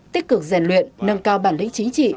tích cực rèn luyện nâng cao bản lĩnh chính trị